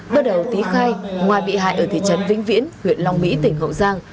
bước đầu tý khai ngoài bị hại ở thị trấn vĩnh viễn huyện long mỹ tỉnh hậu giang